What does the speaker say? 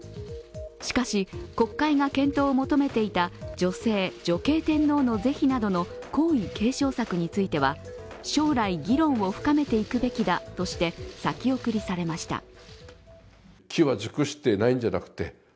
しかし、国会が検討を求めていた女性・女系天皇の是非などの皇位継承策については将来、議論を深めていくべきだとして先送りされました。